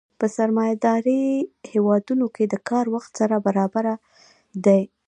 په سرمایه داري هېوادونو کې د کار وخت سره برابر دی